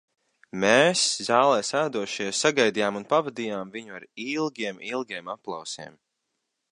Mēs, zālē sēdošie, sagaidījām un pavadījām viņu ar ilgiem, ilgiem aplausiem.